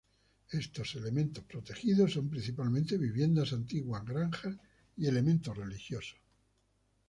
Estos elementos protegidos son principalmente viviendas, antiguas granjas y elementos religiosos.